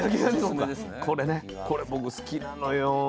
これ僕好きなのよ。